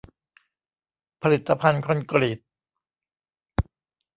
ผลิตภัณฑ์คอนกรีต